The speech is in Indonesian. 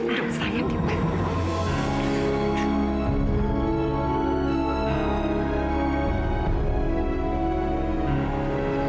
milo diperluk diperluk